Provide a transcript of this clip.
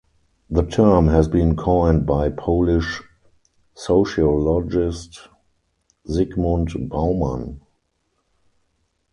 The term has been coined by Polish sociologist Zygmunt Bauman.